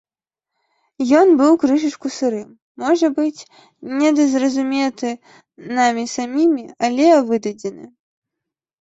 Ён быў крышачку сырым, можа быць, недазразуметы намі самімі, але выдадзены.